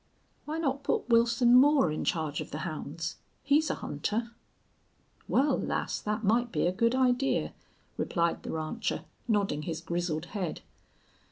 "Why not put Wilson Moore in charge of the hounds? He's a hunter." "Wal, lass, thet might be a good idee," replied the rancher, nodding his grizzled head.